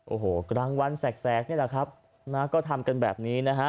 โอ้โหกลางวันแสกนี่แหละครับนะก็ทำกันแบบนี้นะฮะ